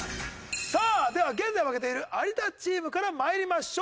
さあでは現在負けている有田チームから参りましょう。